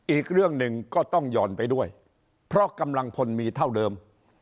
อีกเรื่องหนึ่งก็ต้องห่อนไปด้วยเพราะกำลังพลมีเท่าเดิม